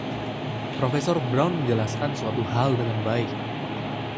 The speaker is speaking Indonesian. Profesor Brown menjelaskan suatu hal dengan baik.